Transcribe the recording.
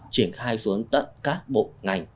triển khai xuống tận các bộ ngành